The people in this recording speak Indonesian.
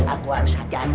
aku harus hadapi